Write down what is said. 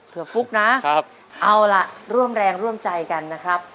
เผื่อฟุกนะครับเอาล่ะร่วมแรงร่วมใจกันนะครับ